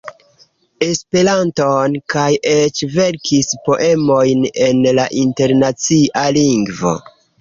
Esperanton, kaj eĉ verkis poemojn en la Internacia Lingvo.